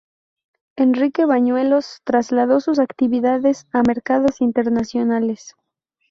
Enrique Bañuelos trasladó sus actividades a mercados internacionales.